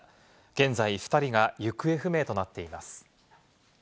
現在２人が行方不明となっています。